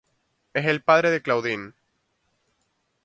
Es el padre de Claudine.